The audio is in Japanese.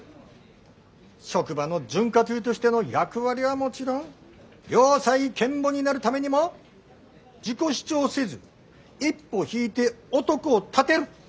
職場の潤滑油としての役割はもちろん良妻賢母になるためにも自己主張せず一歩引いて男を立てる。